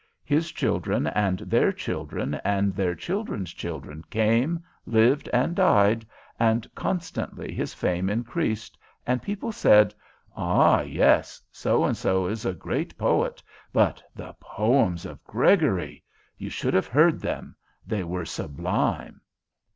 His children and their children and their children's children came, lived, and died, and constantly his fame increased, and people said, 'Ah, yes; so and so is a great poet, but the poems of Gregory! You should have heard them. They were sublime.'